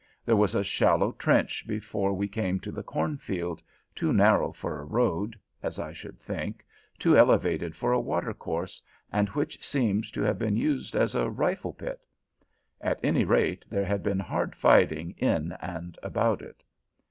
There was a shallow trench before we came to the cornfield, too narrow for a road, as I should think, too elevated for a water course, and which seemed to have been used as a rifle pit. At any rate, there had been hard fighting in and about it.